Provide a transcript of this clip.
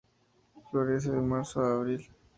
Florece de marzo a abril.